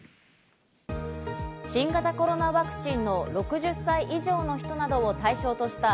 新型コロナワクチンの６０歳以上の人などを対象とした